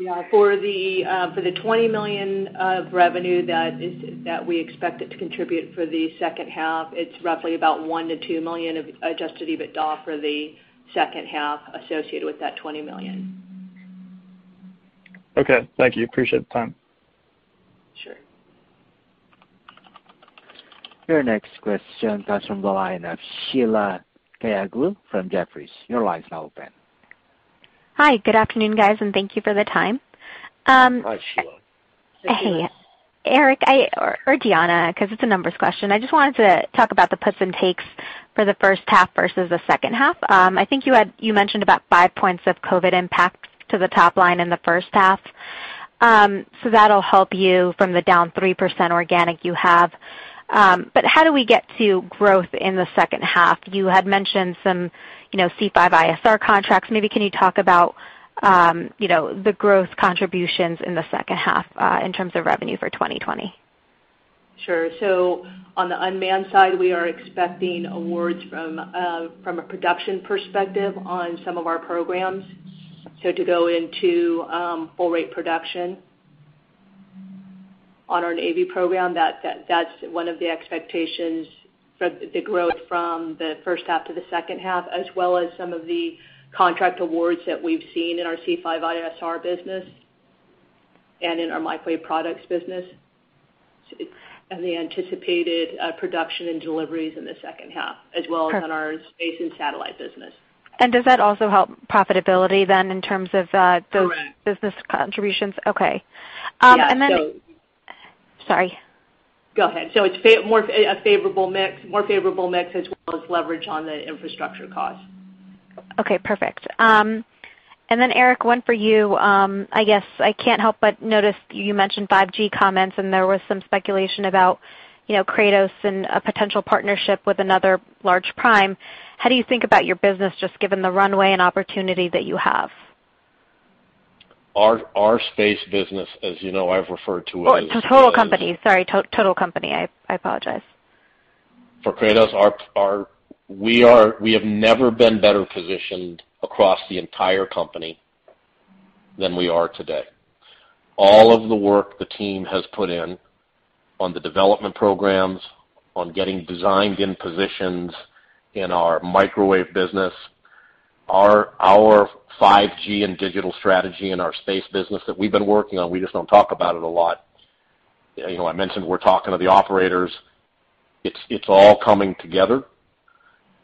Yeah. For the $20 million of revenue that we expected to contribute for the second half, it's roughly about one to two million of adjusted EBITDA for the second half associated with that $20 million. Okay. Thank you. Appreciate the time. Sure. Your next question comes from the line of Sheila Kahyaoglu from Jefferies. Your line's now open. Hi. Good afternoon, guys, and thank you for the time. Hi, Sheila. Hey, Eric or Deanna, because it's a numbers question. I just wanted to talk about the puts and takes for the first half versus the second half. I think you mentioned about five points of COVID impact to the top line in the first half. That'll help you from the down 3% organic you have. How do we get to growth in the second half? You had mentioned some C5ISR contracts. Maybe can you talk about the growth contributions in the second half in terms of revenue for 2020? Sure. On the unmanned side, we are expecting awards from a production perspective on some of our programs. To go into full rate production on our Navy program, that's one of the expectations for the growth from the first half to the second half, as well as some of the contract awards that we've seen in our C5ISR business and in our microwave products business, and the anticipated production and deliveries in the second half, as well as on our space and satellite business. Does that also help profitability then in terms of those? Correct. Business contributions? Okay. Yeah. Sorry. Go ahead. It's a more favorable mix as well as leverage on the infrastructure cost. Okay, perfect. Then Eric, one for you. I guess I can't help but notice you mentioned 5G comments, and there was some speculation about Kratos and a potential partnership with another large prime. How do you think about your business, just given the runway and opportunity that you have? Our space business, as you know, I've referred to it as. Oh, total company. Sorry. Total company. I apologize. For Kratos, we have never been better positioned across the entire company than we are today. All of the work the team has put in on the development programs, on getting designed in positions in our microwave business, our 5G and digital strategy in our space business that we've been working on, we just don't talk about it a lot. I mentioned we're talking to the operators. It's all coming together.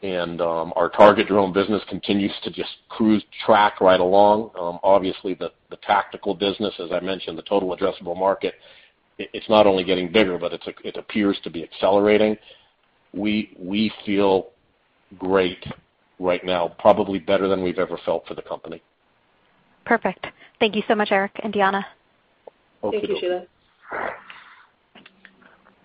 Our target drone business continues to just cruise track right along. Obviously, the tactical business, as I mentioned, the total addressable market, it's not only getting bigger, but it appears to be accelerating. We feel great right now, probably better than we've ever felt for the company. Perfect. Thank you so much, Eric and Deanna. Okay. Thank you, Sheila.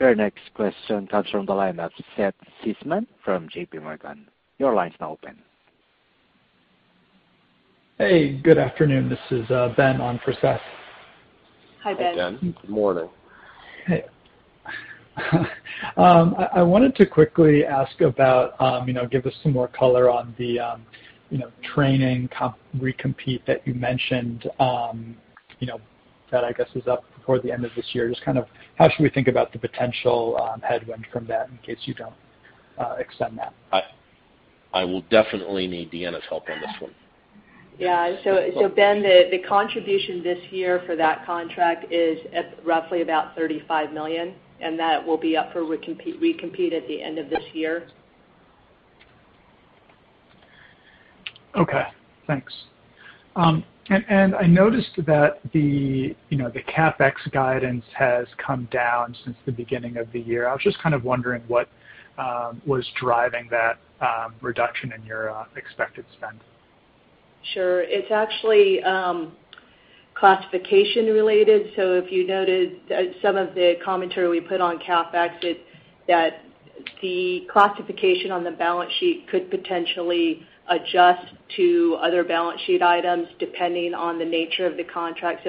Your next question comes from the line of Seth Seifman from JPMorgan. Your line is now open. Hey, good afternoon. This is Ben on for Seth. Hi, Ben. Hi, Ben. Good morning. Hey. I wanted to quickly ask about, give us some more color on the training recompete that you mentioned that I guess is up before the end of this year. Just how should we think about the potential headwind from that in case you don't extend that? I will definitely need Deanna's help on this one. Yeah. Ben, the contribution this year for that contract is at roughly about $35 million, and that will be up for recompete at the end of this year. Okay, thanks. I noticed that the CapEx guidance has come down since the beginning of the year. I was just kind of wondering what was driving that reduction in your expected spend. Sure. It's actually classification related. If you noted some of the commentary we put on CapEx, it's that the classification on the balance sheet could potentially adjust to other balance sheet items depending on the nature of the contract.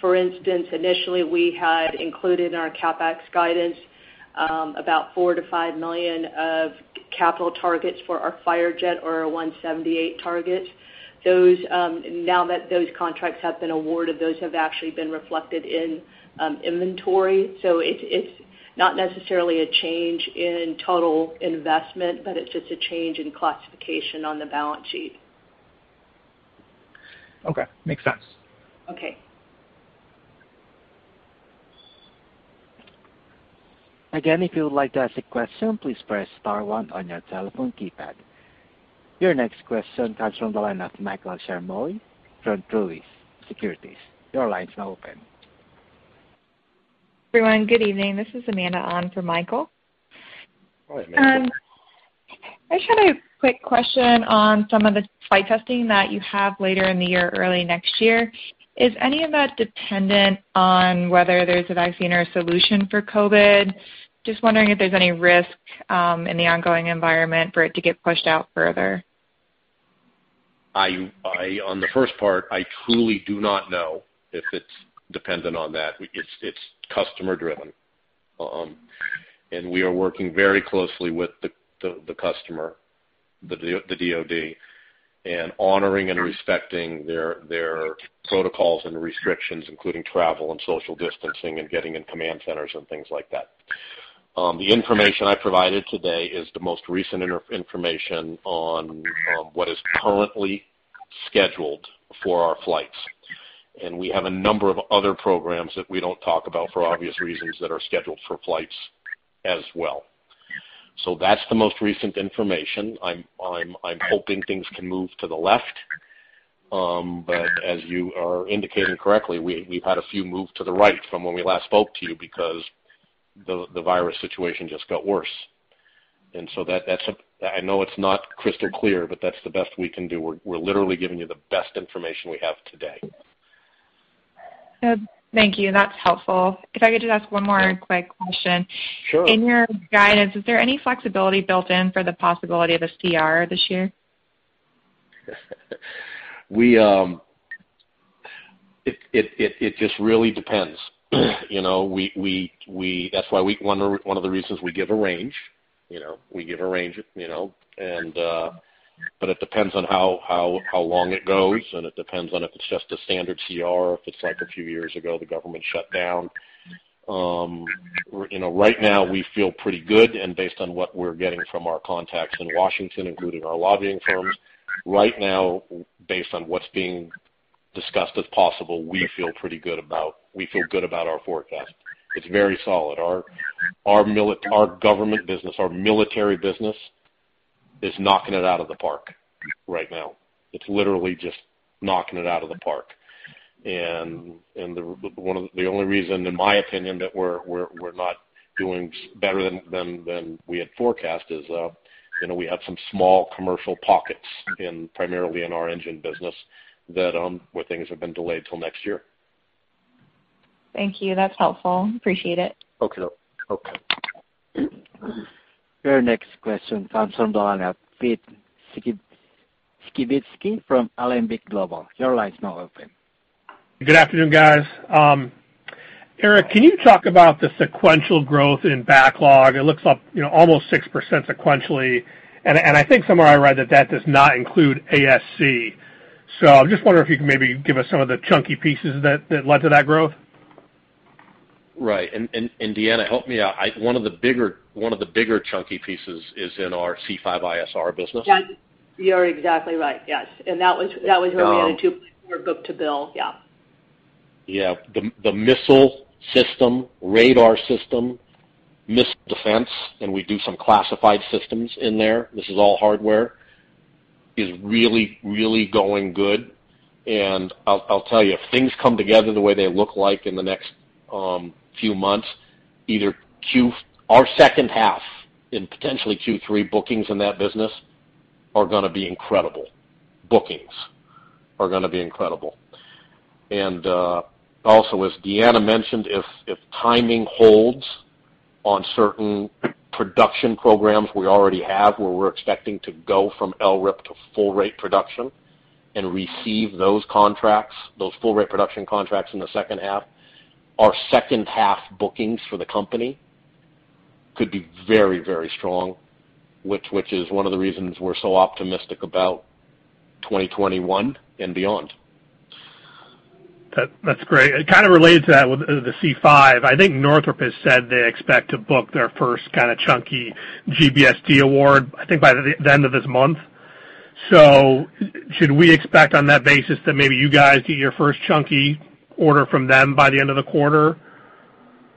For instance, initially we had included in our CapEx guidance, about $4 million-$5 million of capital targets for our Firejet or our 178 target. Now that those contracts have been awarded, those have actually been reflected in inventory. It's not necessarily a change in total investment, but it's just a change in classification on the balance sheet. Okay. Makes sense. Okay. Again, if you would like to ask a question, please press star one on your telephone keypad. Your next question comes from the line of Michael Ciarmoli from Truist Securities. Your line is now open. Everyone, good evening. This is Amanda on for Michael. Hi, Amanda. I just had a quick question on some of the flight testing that you have later in the year, early next year. Is any of that dependent on whether there's a vaccine or a solution for COVID? Just wondering if there's any risk, in the ongoing environment for it to get pushed out further. On the first part, I truly do not know if it's dependent on that. It's customer driven. We are working very closely with the customer, the DoD, and honoring and respecting their protocols and restrictions, including travel and social distancing and getting in command centers and things like that. The information I provided today is the most recent information on what is currently scheduled for our flights, and we have a number of other programs that we don't talk about for obvious reasons that are scheduled for flights as well. That's the most recent information. I'm hoping things can move to the left. As you are indicating correctly, we've had a few move to the right from when we last spoke to you because the virus situation just got worse. I know it's not crystal clear, but that's the best we can do. We're literally giving you the best information we have today. Good. Thank you. That's helpful. If I could just ask one more quick question. Sure. In your guidance, is there any flexibility built in for the possibility of a CR this year? It just really depends. That's one of the reasons we give a range. We give a range, it depends on how long it goes, and it depends on if it's just a standard CR or if it's like a few years ago, the government shut down. Right now, we feel pretty good. Based on what we're getting from our contacts in Washington, including our lobbying firms, right now, based on what's being discussed as possible, we feel pretty good about our forecast. It's very solid. Our government business, our military business is knocking it out of the park right now. It's literally just knocking it out of the park. The only reason, in my opinion, that we're not doing better than we had forecast is we had some small commercial pockets primarily in our engine business where things have been delayed till next year. Thank you. That's helpful. Appreciate it. Okay. Your next question comes from the line of Pete Skibitski from Alembic Global. Your line is now open. Good afternoon, guys. Eric, can you talk about the sequential growth in backlog? It looks up almost 6% sequentially, and I think somewhere I read that that does not include ASC. I'm just wondering if you could maybe give us some of the chunky pieces that led to that growth. Right. Deanna, help me out. One of the bigger chunky pieces is in our C5ISR business. Yes. You're exactly right, yes. That was where we had a 2.4 book-to-bill. Yeah. Yeah. The missile system, radar system, missile defense, and we do some classified systems in there, this is all hardware, is really, really going good. I'll tell you, if things come together the way they look like in the next few months, either our second half in potentially Q3 bookings in that business are going to be incredible. Bookings are going to be incredible. Also as Deanna mentioned, if timing holds on certain production programs we already have, where we're expecting to go from LRIP to full rate production and receive those contracts, those full rate production contracts in the second half, our second half bookings for the company could be very, very strong, which is one of the reasons we're so optimistic about 2021 and beyond. That's great. Kind of related to that, with the C5, I think Northrop has said they expect to book their first kind of chunky GBSD award, I think, by the end of this month. Should we expect on that basis that maybe you guys get your first chunky order from them by the end of the quarter?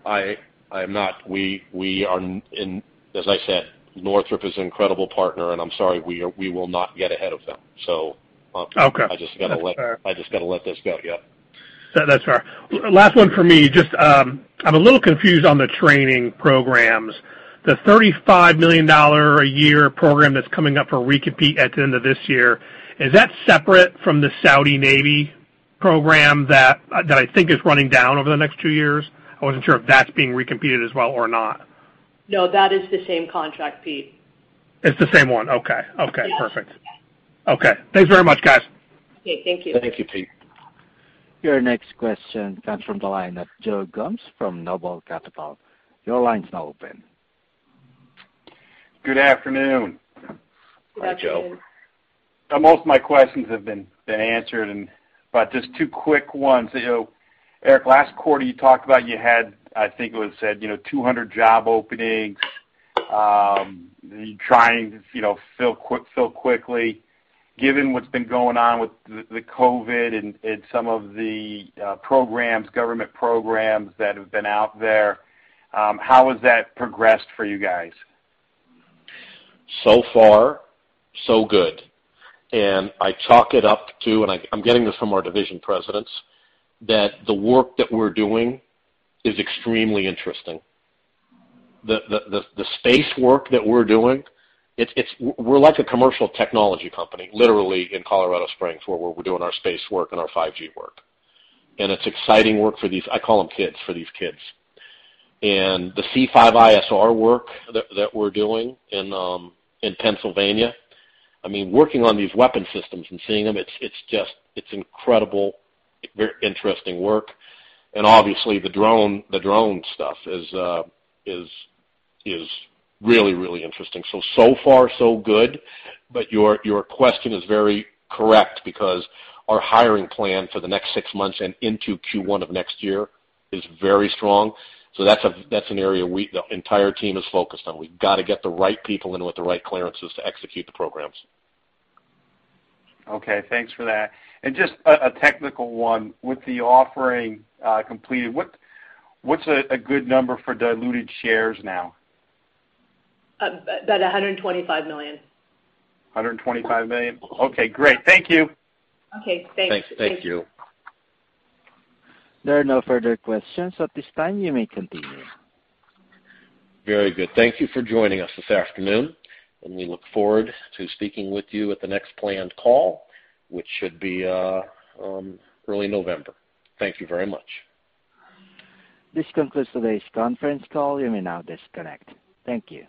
I am not. As I said, Northrop is an incredible partner, and I'm sorry, we will not get ahead of them. Okay. I just got to let this go. Yep. That's fair. I'm a little confused on the training programs. The $35 million a year program that's coming up for re-compete at the end of this year, is that separate from the Saudi Navy program that I think is running down over the next two years? I wasn't sure if that's being recompeted as well or not. No, that is the same contract, Pete. It's the same one. Okay. Perfect. Yes. Okay. Thanks very much, guys. Okay, thank you. Thank you, Pete. Your next question comes from the line of Joe Gomes from NOBLE Capital. Your line's now open. Good afternoon. Good afternoon. Hey, Joe. Most of my questions have been answered, but just two quick ones. Eric, last quarter you talked about you had, I think it was said, 200 job openings. You're trying to fill quickly. Given what's been going on with the COVID and some of the government programs that have been out there, how has that progressed for you guys? So far, so good. I chalk it up to, and I'm getting this from our division presidents, that the work that we're doing is extremely interesting. The space work that we're doing, we're like a commercial technology company, literally, in Colorado Springs, where we're doing our space work and our 5G work. It's exciting work for these, I call them kids. The C5ISR work that we're doing in Pennsylvania, working on these weapon systems and seeing them, it's incredible, very interesting work. Obviously the drone stuff is really, really interesting. So far so good. Your question is very correct because our hiring plan for the next six months and into Q1 of next year is very strong. That's an area the entire team is focused on. We've got to get the right people in with the right clearances to execute the programs. Okay, thanks for that. Just a technical one. With the offering completed, what's a good number for diluted shares now? About $125 million. $125 million? Okay, great. Thank you. Okay, thanks. Thanks. Thank you. There are no further questions at this time. You may continue. Very good. Thank you for joining us this afternoon, and we look forward to speaking with you at the next planned call, which should be early November. Thank you very much. This concludes today's conference call. You may now disconnect. Thank you.